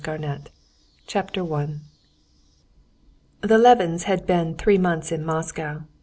PART SEVEN Chapter 1 The Levins had been three months in Moscow.